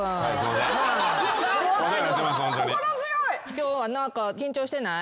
今日は何か緊張してない？